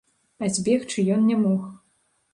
А збегчы ён не мог.